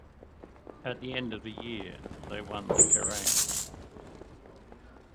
At the end of the year they won the Kerrang!